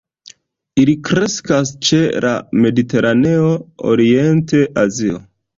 Ili kreskas ĉe la Mediteraneo, Orient-Azio.